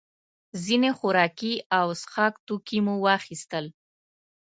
ځینې خوراکي او څښاک توکي مو واخیستل.